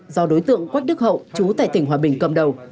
do đối tượng quách đức hậu chú tại tỉnh hòa bình cầm đầu